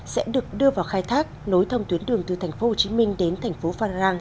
sẽ được đưa vào khai thác nối thông tuyến đường từ thành phố hồ chí minh đến thành phố phan rang